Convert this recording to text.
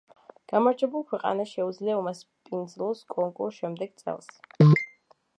გამარჯვებულ ქვეყანას შეუძლია უმასპინძლოს კონკურსს შემდეგ წელს.